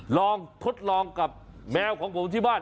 ลองทดลองกับแมวของผมที่บ้าน